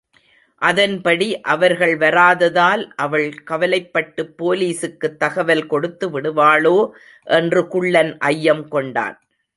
அதன்படி அவர்கள் வராததால் அவள் கவலைப்பட்டுப் போலீசுக்குத் தகவல் கொடுத்துவிடுவாளோ என்று குள்ளன் ஐயம் கொண்டான்.